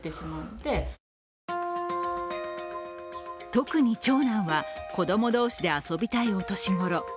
特に長男は子供同士で遊びたいお年頃。